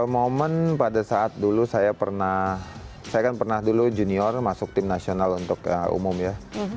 momen pada saat dulu saya pernah saya kan pernah dulu junior masuk tim nasional untuk umum ya